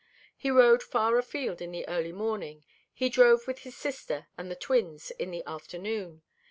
He rode far afield in the early morning, he drove with his sister and the twins in the afternoon.